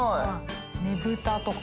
ねぶたとか。